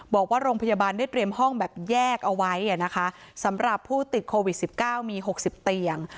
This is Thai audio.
บอกว่าโรงพยาบาลได้เตรียมห้องแบบแยกเอาไว้นะคะสำหรับผู้ติดโควิด๑๙มี๖๐เตียง